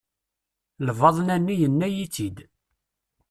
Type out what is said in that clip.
Lbaḍna-nni, yenna-iyi-tt-id.